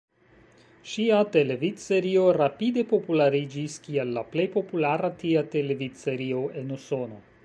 Ŝia televidserio rapide populariĝis kiel la plej populara tia televidserio en Usono.